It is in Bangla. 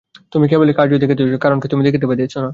তুমি কেবল কার্যই দেখিতেছ, কারণকে তুমি দেখিতে পাইতেছ না।